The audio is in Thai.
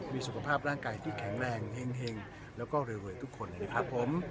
มีสุขภาพร่างกายที่แข็งแรงเห็งแล้วก็เร็วทุกคนเลยนะครับผม